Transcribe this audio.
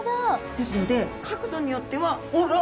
ですので角度によってはあら！